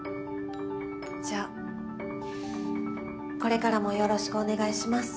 じゃあこれからもよろしくお願いします。